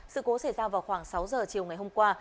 sự cố xảy ra vào khoảng sáu giờ chiều ngày hôm qua